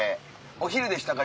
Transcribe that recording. お昼でしたか？